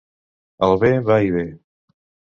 El bé va i ve.